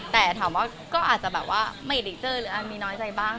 แต่ถามว่าก็อาจจะไม่ได้เจอมีน้อยใจบ้าง